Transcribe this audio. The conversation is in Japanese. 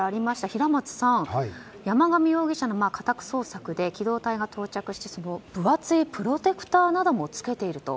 平松さん山上容疑者の家宅捜索で機動隊が到着して分厚いプロテクターなども着けている。